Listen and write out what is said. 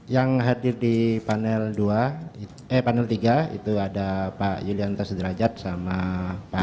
yang hadir di panel tiga itu ada pak yuliantas derajat sama pak